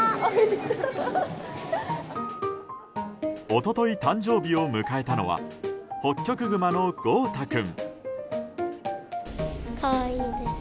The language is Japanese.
一昨日、誕生日を迎えたのはホッキョクグマの豪太君。